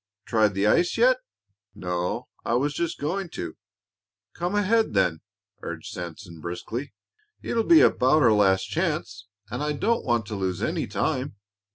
Tried the ice yet?" "No; I was just going to." "Come ahead, then," urged Sanson, briskly. "It'll be about our last chance, and I don't want to lose any time."